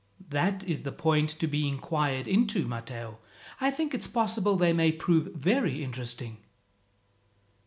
"That is the point to be inquired into, Matteo. I think it's possible they may prove very interesting."